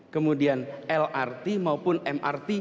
kemudian lrt maupun mrt